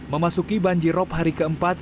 memasuki banjirop hari keempat